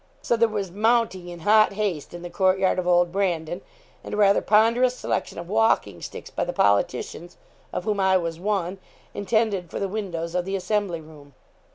So, there was mounting in hot haste in the courtyard of old Brandon, and a rather ponderous selection of walking sticks by the politicians of whom I was one intended for the windows of the assembly room.